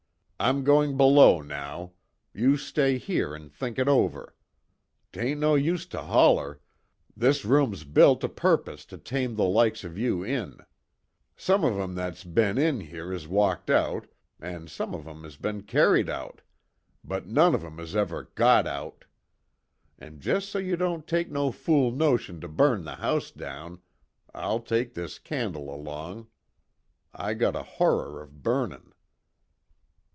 I'm goin' below now. You stay here an' think it over. Tain't no use to holler this room's built a purpose to tame the likes of you in. Some of 'em that's be'n in here has walked out, an' some of 'em has be'n carried out but none of 'em has ever got out. An' jest so you don't take no fool notion to burn the house down, I'll take this candle along. I got a horror of burnin'."